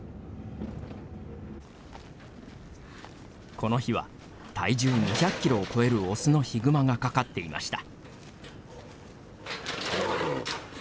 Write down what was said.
この日は体重２００キロを超えるオスのヒグマがかかっていました。